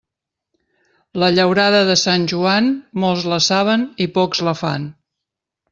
La llaurada de Sant Joan, molts la saben i pocs la fan.